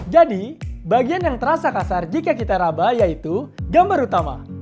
jadi bagian yang terasa kasar jika kita rabah yaitu gambar utama